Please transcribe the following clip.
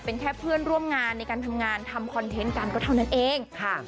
เป็นแค่เพื่อนร่วมงานในการทำงานทำคอนเทนต์กันก็เท่านั้นเองค่ะ